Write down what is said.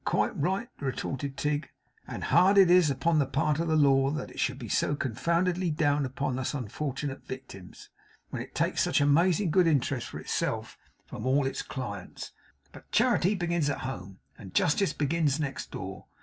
quite right!' retorted Tigg. 'And hard it is upon the part of the law that it should be so confoundedly down upon us unfortunate victims; when it takes such amazing good interest for itself from all its clients. But charity begins at home, and justice begins next door.